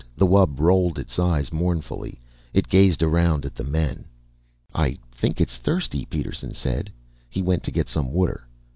The wub rolled its eyes mournfully. It gazed around at the men. "I think it's thirsty," Peterson said. He went to get some water.